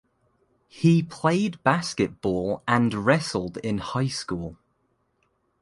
He played basketball and wrestled in high school.